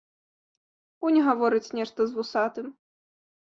Унь гаворыць нешта з вусатым.